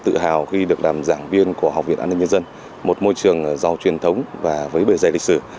sau khi bộ công an công bố việt tân là tổ chức khủng bố